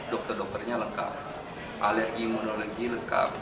dokter dokternya lengkap alergi imunologi lengkap